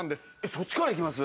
そっちからいきます？